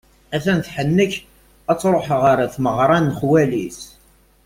Att-an tḥennek, ad truḥ ɣer tmeɣra n xwali-s.